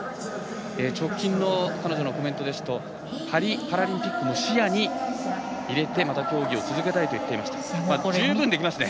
直近の彼女のコメントですとパリパラリンピックも視野に入れてまた競技を続けたいと言っていましたが十分できましたね。